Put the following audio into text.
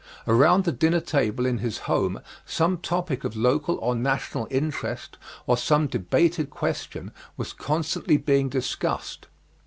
Around the dinner table in his home some topic of local or national interest, or some debated question, was constantly being discussed.